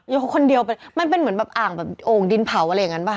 ยกคนเดียวเพราะมันเป็นแบบอ่างโอ่งดินเผาอะไรอย่างนั้นบ้าง